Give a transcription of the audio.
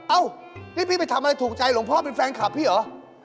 เอ้านี่พี่ไปทำอะไรถูกใจหลวงพ่อเป็นแฟนคลับพี่เหรอ